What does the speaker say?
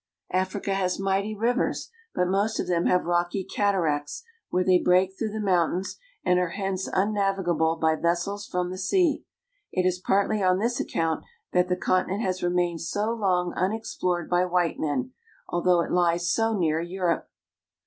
Africa has mighty rivers, but most of them have rocky cataracts where they break through the mountains and are hence unnavigable by vessels from the sea. It is partly on this account that the continent has remained so long unex plored by white men, although it lies so near Europe.